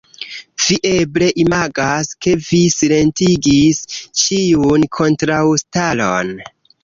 Vi eble imagas, ke vi silentigis ĉiun kontraŭstaron.